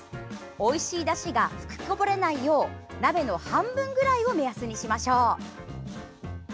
おいしいだしが吹きこぼれないよう鍋の半分ぐらいを目安にしましょう。